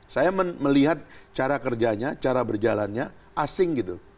saya melihat cara kerjanya cara berjalannya asing gitu